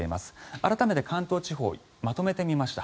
改めて、関東地方まとめてみました。